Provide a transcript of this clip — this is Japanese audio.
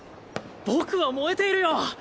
僕は燃えているよ！